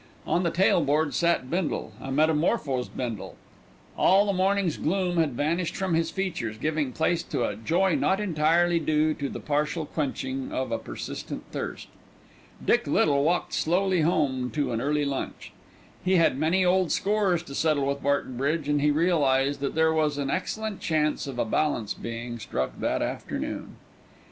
On the tail board sat Bindle, a metamorphosed Bindle. All the morning's gloom had vanished from his features, giving place to a joy not entirely due to the partial quenching of a persistent thirst. Dick Little walked slowly home to an early lunch. He had many old scores to settle with Barton Bridge, and he realised that there was an excellent chance of a balance being struck that afternoon.